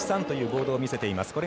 １３というボードを見せています。